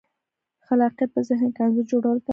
خلاقیت په ذهن کې انځور جوړولو ته وایي.